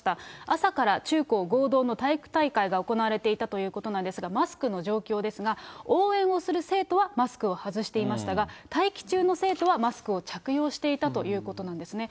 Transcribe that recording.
朝から中高合同の体育大会が行われていたということなんですが、マスクの状況ですが、応援をする生徒はマスクを外していましたが、待機中の生徒はマスクを着用していたということなんですね。